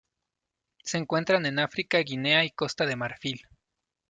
Se encuentran en África: Guinea y Costa de Marfil.